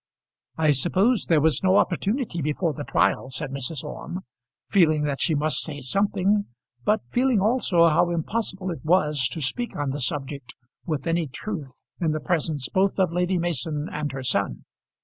"I suppose there was no opportunity before the trial," said Mrs. Orme, feeling that she must say something, but feeling also how impossible it was to speak on the subject with any truth in the presence both of Lady Mason and her son.